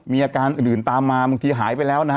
มีอาการอื่นตามมาบางทีหายไปแล้วนะฮะ